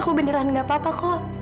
aku benar benar tidak apa apa ko